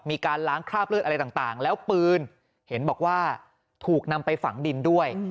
มีการล้างคราบเลือดอะไรต่างแล้วปืนเห็นบอกว่าถูกนำไปฝังดินด้วย